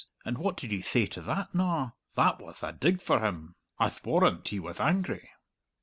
"And what did he thay to that na? That wath a dig for him! I'the warrant he wath angry."